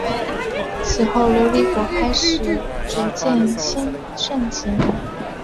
此后琉球国开始逐渐兴盛起来。